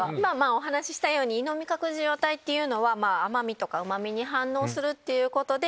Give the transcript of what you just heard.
お話したように胃の味覚受容体っていうのは甘味とかうま味に反応するっていうことで。